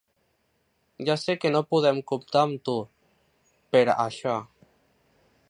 Ja sé que no podem comptar amb tu, per a això.